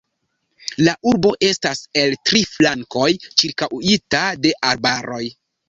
La urbo estas el tri flankoj ĉirkaŭita de arbaroj.